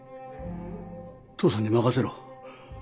父さんに任せろ。